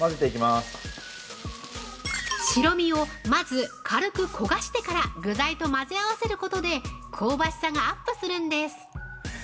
◆白身をまず軽く焦がしてから具材と混ぜ合わせることで、香ばしさがアップするんです。